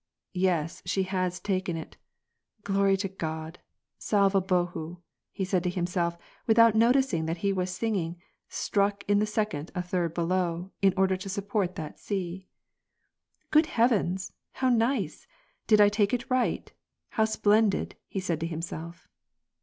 Yes, she's taken it. Glory to God — Slava Bohu I " and he himself, without noticing that he was singing, struck in the second a third below, in order to support that si. " Good heavens ! how nice ! Did I take it right ! How splendid !" he said to himself.